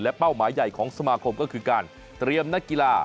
เป้าหมายใหญ่ของสมาคมก็คือการเตรียมนักกีฬา